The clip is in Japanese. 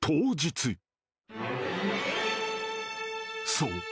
［そう。